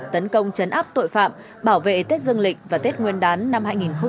tấn công chấn áp tội phạm bảo vệ tết dương lịch và tết nguyên đán năm hai nghìn hai mươi